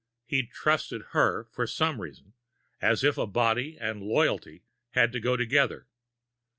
He'd trusted her for some reason, as if a body and loyalty had to go together.